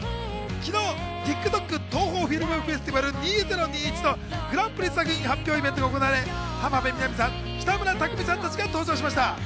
昨日ＴｉｋＴｏｋＴＯＨＯＦｉｌｍＦｅｓｔｉｖａｌ２０２１のグランプリ作品発表イベントが行われ、浜辺美波さん、北村匠海さんたちが登場しました。